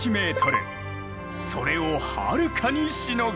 それをはるかにしのぐ。